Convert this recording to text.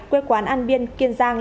quê quán an biên kiên giang